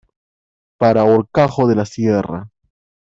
Para Horcajo de la Sierra.